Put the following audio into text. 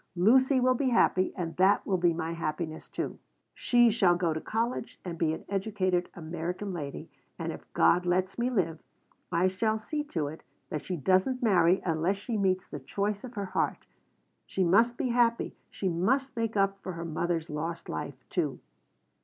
Lucy will be happy and that will be my happiness, too. She shall go to college and be an educated American lady, and, if God lets me live, I shall see to it that she doesn't marry unless she meets the choice of her heart. She must be happy. She must make up for her mother's lost life, too.